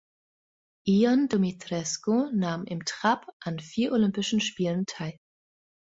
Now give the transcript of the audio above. Ion Dumitrescu nahm im Trap an vier Olympischen Spielen teil.